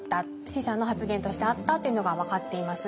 使者の発言としてあったっていうのが分かっています。